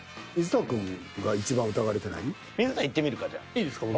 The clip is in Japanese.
いいですか僕。